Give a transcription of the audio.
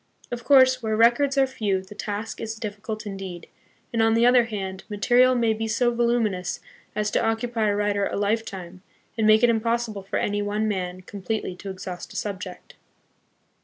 Of course, where records are few the task is difficult indeed, and, on the other hand, material may be so voluminous as to occupy a writer a lifetime, and make it impossible for any one man completely to exhaust a subject.